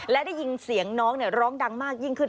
และได้ยินเสียงน้องร้องดังมากยิ่งขึ้น